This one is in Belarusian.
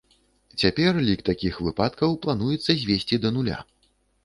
Цяпер лік такіх выпадкаў плануецца звесці да нуля.